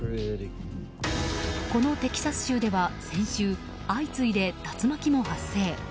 このテキサス州では先週相次いで竜巻も発生。